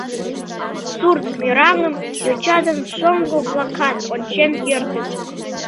Сурт мераҥым йоча ден шоҥго-влакат ончен кертыт.